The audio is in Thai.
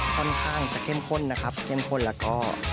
ค่อนข้างจะเข้มข้นนะครับเข้มข้นแล้วก็